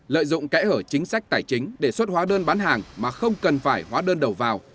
lợi dụng kẽ hở chính sách tài chính để xuất hóa đơn bán hàng mà không cần phải hóa đơn đầu vào